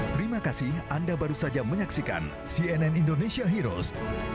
terima kasih anda baru saja menyaksikan cnn indonesia heroes